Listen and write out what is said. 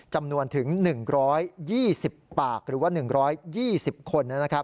จำนวนถึง๑๒๐ปากหรือว่า๑๒๐คน